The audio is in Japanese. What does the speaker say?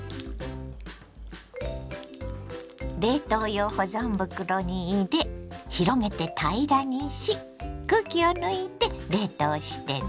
冷凍用保存袋に入れ広げて平らにし空気を抜いて冷凍してね。